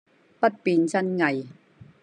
不辨真偽